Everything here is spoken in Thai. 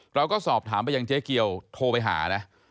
เราก็สอบถามไปยังเจ๊เกียวโทรไปหานะ